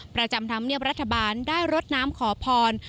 ประจำธรรมเนียบรัฐบาลได้รดน้ำขอพร